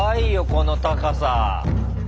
この高さ。